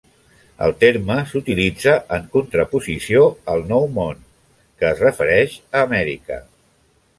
El terme s'utilitza en contraposició al Nou Món que es refereix a Amèrica.